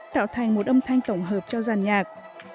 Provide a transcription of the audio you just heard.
tạo thành một âm thanh tổng hợp cho giàn nhạc